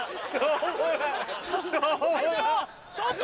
ちょっと！